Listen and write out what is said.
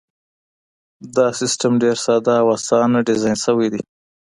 دا سیستم ډېر ساده او اسانه ډیزاین سوی دی.